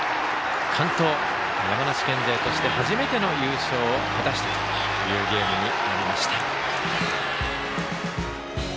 完投、山梨県勢として初めての優勝を果たしたというゲームになりました。